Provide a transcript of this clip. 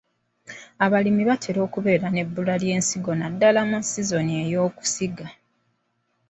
Abalimi batera okubeera n’ebbula ly’ensigo naddala mu sizoni ey’okusiga.